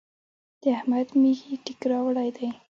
د احمد مېږي تېک راوړی دی.